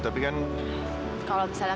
tapi ini bukan kegilaan